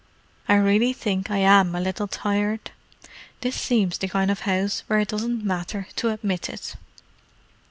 I really think I am a little tired. This seems the kind of house where it doesn't matter to admit it."